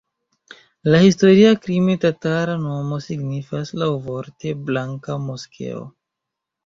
La historia krime-tatara nomo signifas laŭvorte "blanka moskeo".